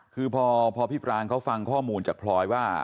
คือพอพี่ปรางเขาฟังข้อมูลจากพลอยว่า